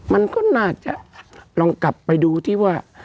มันก็น่าจะลองกลับไปดูที่ว่า